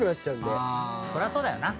そりゃそうだよな。